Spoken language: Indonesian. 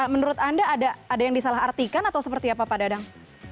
menurut anda ada yang disalah artikan atau seperti apa pak dadang